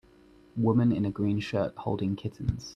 Woman in a green shirt holding kittens.